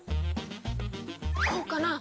こうかな？